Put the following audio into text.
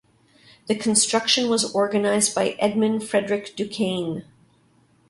The construction was organised by Edmund Frederick Du Cane.